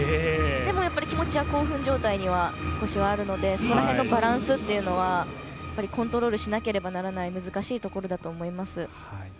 でもやっぱり気持ちは興奮状態には、少しはあるのでその辺のバランスというのはコントロールしなければならない難しいところだと思います。